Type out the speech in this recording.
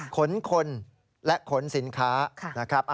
ขนคนและขนสินค้านะครับ